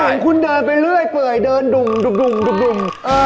ก็เห็นคุณเดินไปเรื่อยเดินดุ่มดุ่มดุ่มดุ่ม